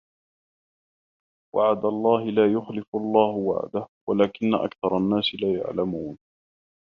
وَعدَ اللَّهِ لا يُخلِفُ اللَّهُ وَعدَهُ وَلكِنَّ أَكثَرَ النّاسِ لا يَعلَمونَ